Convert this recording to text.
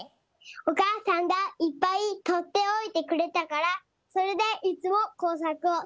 おかあさんがいっぱいとっておいてくれたからそれでいつもこうさくをしてます！